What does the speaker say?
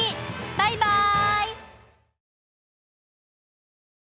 バイバイ！